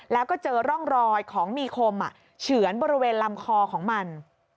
แล้วก็เจอร่องรอยของมีคมเฉือนบริเวณลำคอของมัน